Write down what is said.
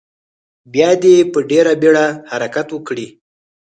بیا دې په ډیره بیړه حرکت وکړي.